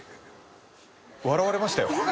笑われましたよ。